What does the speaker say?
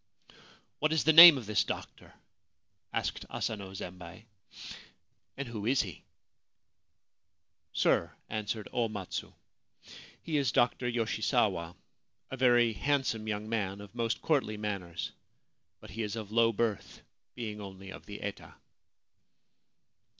' What is the name of this doctor ?' asked Asano Zembei, * and who is he ?'' Sir/ answered O Matsu, ' he is Doctor Yoshisawa, a very handsome young man, of most courtly manners ; but he is of low birth, being only of the eta.